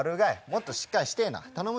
もっとしっかりしてな。